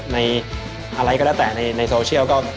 อะไรก็แล้วแต่ในโซเชียลก็